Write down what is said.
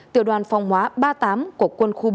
tiểu đoàn phòng hóa bảy